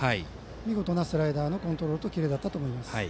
見事なスライダーのコントロールとキレだったと思います。